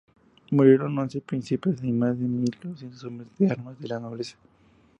Murieron once príncipes y más de mil doscientos hombres de armas de la nobleza.